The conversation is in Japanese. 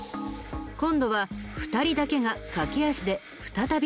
今度は２人だけが駆け足で再び店内へ。